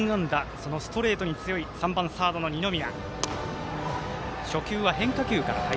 そのストレートに強い３番サードの二宮。